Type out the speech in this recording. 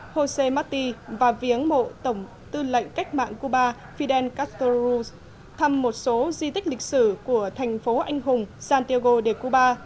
josé mati và viếng mộ tổng tư lệnh cách mạng cuba fidel castro thăm một số di tích lịch sử của thành phố anh hùng santiago de cuba